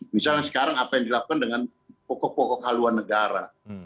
misalnya sekarang apa yang dilakukan dengan pokok pokok haluan negara